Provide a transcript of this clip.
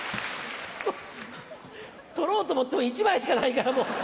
取ろうと思っても１枚しかないからもう。